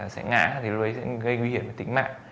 sẽ ngã thì lúc đấy sẽ gây nguy hiểm tính mạng